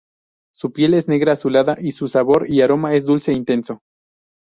Su piel es negra azulada, y su sabor y aroma es dulce e intenso.